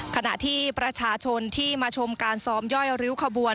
ขณะที่ประชาชนที่มาชมการซ้อมย่อยริ้วขบวน